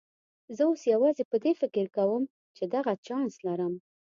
زه اوس یوازې پر دې فکر کوم چې دغه چانس لرم.